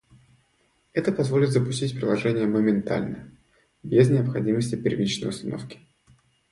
Это позволит запустить приложение моментально, без необходимости первичной установки